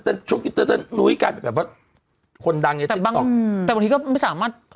ปั๊บเดี๋ยวนุ้ยกันแบบว่าคนดังแต่บางอืมแต่บางทีก็ไม่สามารถ